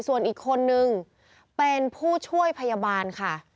ส่วนอีกคนนึงเป็นผู้ช่วยพยาบาลค่ะ